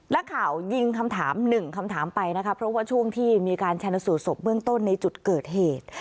นักข่าวยิงคำถามหนึ่งคำถามไปนะคะเพราะว่าช่วงที่มีการชนสูตรศพเบื้องต้นในจุดเกิดเหตุ